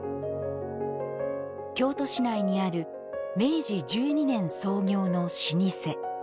京都市内にある明治１２年創業の老舗。